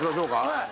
はい。